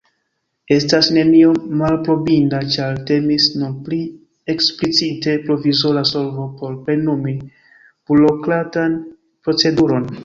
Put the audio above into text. Estas nenio malaprobinda, ĉar temis nur pri eksplicite provizora solvo por plenumi burokratan proceduron.